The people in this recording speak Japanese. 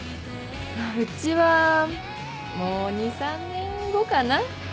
うちはもう２３年後かな。